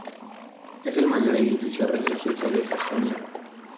Es el mayor edificio religioso de Sajonia.